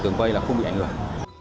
tường vây là không bị ảnh hưởng